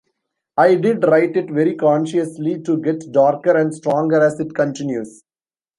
I did write it very consciously to get darker and stronger as it continues.